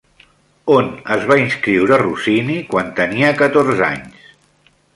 On es va inscriure Rossini quan tenia catorze anys?